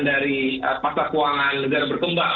dari pasar keuangan negara berkembang